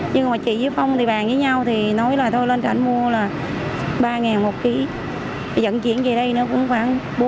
nhưng mà chị với phong thì bàn với nhau thì nói là thôi lên cảnh mua là ba một ký dẫn chuyển về đây nó cũng khoảng bốn